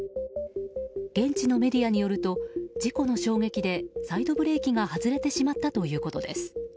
現地のメディアによると事故の衝撃でサイドブレーキが外れてしまったということです。